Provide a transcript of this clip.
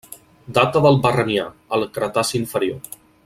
Data del Barremià, al Cretaci inferior.